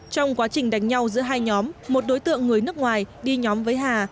trong quá trình đánh nhau giữa hai nhóm một đối tượng người nước ngoài đi nhóm với hà